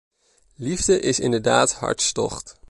Liefde is inderdaad hartstocht.